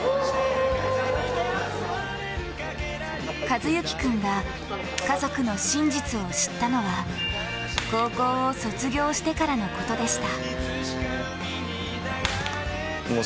寿志君が家族の真実を知ったのは高校を卒業してからのことでした。